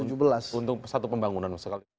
untung satu pembangunan